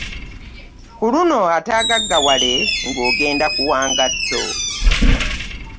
Ku luno ataagaggawale nga ogenda ku wa ngatto.